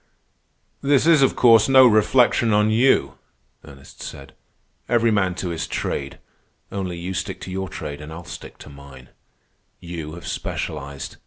"This is, of course, no reflection on you," Ernest said. "Every man to his trade. Only you stick to your trade, and I'll stick to mine. You have specialized.